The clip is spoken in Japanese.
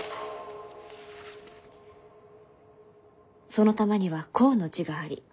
その玉には孝の字があり。